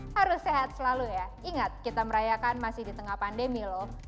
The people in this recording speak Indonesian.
harus sehat selalu ya ingat kita merayakan masih di tengah pandemi loh